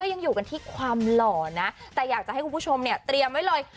ยังอยู่กันที่ความหล่อนะแต่อยากจะให้คุณผู้ชมเนี่ยเตรียมไว้เลย